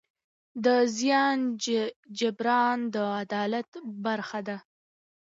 د زیان جبران د عدالت برخه ده.